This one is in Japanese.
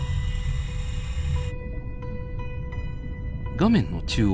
画面の中央。